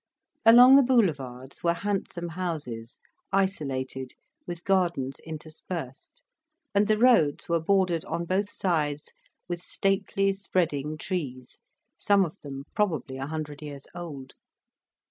Along the Boulevards were handsome houses, isolated, with gardens interspersed, and the roads were bordered on both sides with stately, spreading trees, some of them probably a hundred years old.